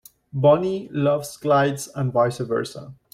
Bonnie loves Clyde and vice versa.